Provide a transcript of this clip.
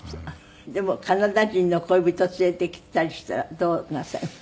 でもカナダ人の恋人連れてきたりしたらどうなさいます？